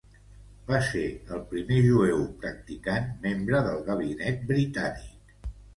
Va ser el primer jueu practicant membre del gabinet britànic.